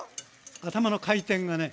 頭の回転がね